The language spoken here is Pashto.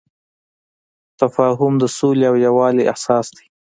تفاهم د سولې او یووالي اساس دی.